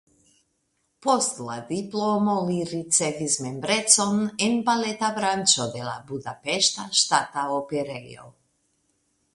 Post la diplomo li ricevis membrecon en baleta branĉo de la Budapeŝta Ŝtata Operejo.